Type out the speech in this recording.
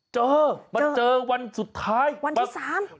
เจอมันเจอวันสุดท้ายวันที่สาม